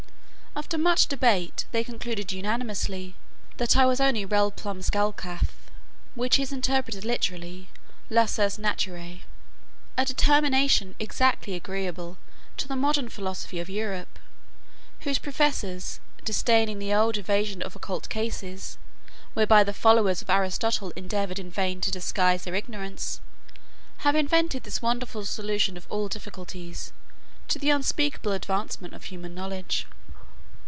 After much debate, they concluded unanimously, that I was only relplum scalcath, which is interpreted literally lusus naturæ; a determination exactly agreeable to the modern philosophy of Europe, whose professors, disdaining the old evasion of occult causes, whereby the followers of Aristotle endeavoured in vain to disguise their ignorance, have invented this wonderful solution of all difficulties, to the unspeakable advancement of human knowledge.